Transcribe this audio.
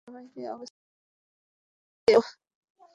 সবাইকে অবস্থান নিতে বলো!